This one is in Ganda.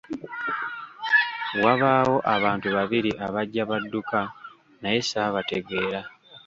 Wabaawo abantu babiri abajja badduka naye saabategeera.